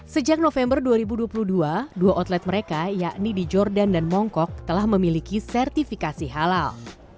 sejak november dua ribu dua puluh dua dua outlet mereka yakni di jordan dan mongkok telah memiliki sertifikasi halal